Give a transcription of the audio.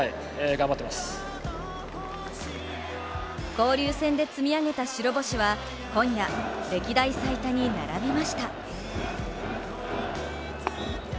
交流戦で積み上げた白星は今夜、歴代最多に並びました。